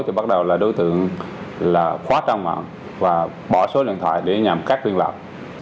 thì bắt đầu là đối tượng là khóa trang mạng và bỏ số điện thoại để nhằm cắt liên lạc